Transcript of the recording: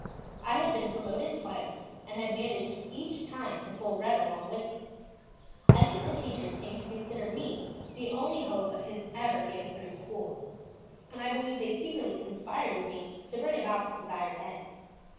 I had been promoted twice, and had managed each time to pull "Red" along with me. I think the teachers came to consider me the only hope of his ever getting through school, and I believe they secretly conspired with me to bring about the desired end.